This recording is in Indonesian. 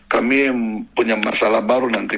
kami punya masalah baru nanti